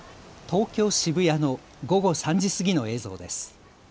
東京渋谷の午後３時過ぎの映像です。